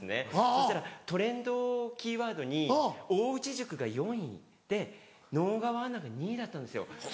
そしたらトレンドキーワードに大内宿が４位で直川アナが２位だったんですよ。